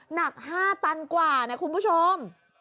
หนัก๕ตันกว่านะคุณผู้ชม